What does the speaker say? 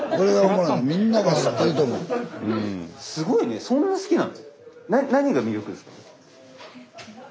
すごいねそんな好きなの？